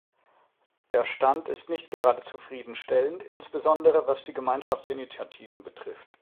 Der Stand ist nicht gerade zufrieden stellend, insbesondere was die Gemeinschaftsinitiativen betrifft.